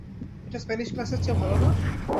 এটা স্প্যানিশ ক্লাসের চেয়ে ভালো না?